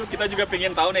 kita juga ingin tahu